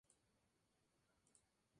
La cinta fue producida por Nimbus Film.